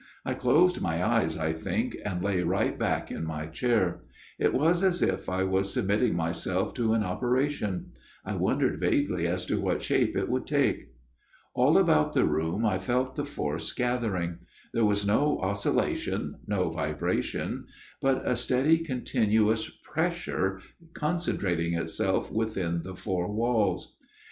I closed my eyes, I think, and lay right back in my chair. It was as if I was submitting myself to an operation ; I wondered vaguely as to what shape it would take. " All about the room I felt the force gathering. There was no oscillation, no vibration, but a steady continuous pressure concentrating itself within the four walls.